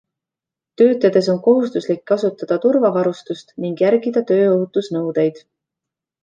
Töötades on kohustuslik kasutada turvavarustust ning järgida tööohutusnõudeid.